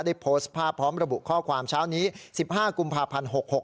โพสต์ภาพพร้อมระบุข้อความเช้านี้๑๕กุมภาพันธ์๖๖